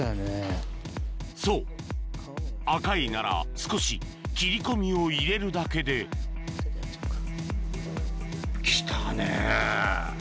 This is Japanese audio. そうアカエイなら少し切り込みを入れるだけで来たね。